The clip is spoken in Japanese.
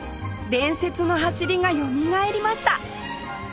伝説の走りがよみがえりました